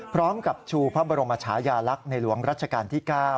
ชูพระบรมชายาลักษณ์ในหลวงรัชกาลที่๙